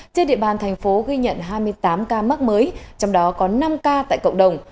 trên địa bàn thành phố ghi nhận hai mươi tám ca mắc mới trong đó có năm ca tại cộng đồng